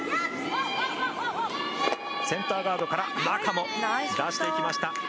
センターガードから中も出していきました。